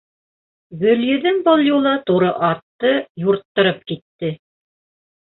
Гөлйөҙөм был юлы туры атты юрттырып китте.